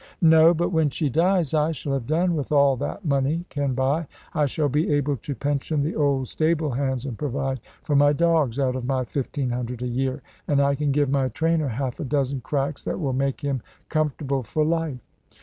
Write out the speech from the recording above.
"No. But when she dies, I shall have done with all that money can buy. I shall be able to pension the old stable hands, and provide for my dogs, out of my fifteen hundred a year; and I can give my trainer half a dozen cracks that will make him comfortable for life."